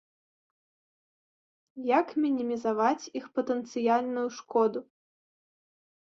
Як мінімізаваць іх патэнцыяльную шкоду.